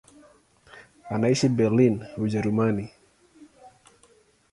Anaishi Berlin, Ujerumani.